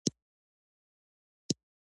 ښایسته خدایه!